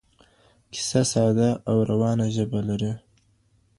کیسه ساده او روانه ژبه لري.